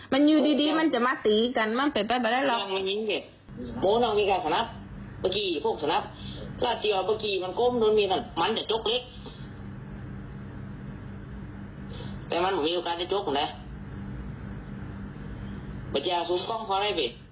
มันอยู่ดีมันจะมาตีกันมันเป็นแป๊บได้หรอ